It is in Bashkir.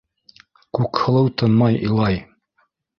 Күкһылыу тынмай илай.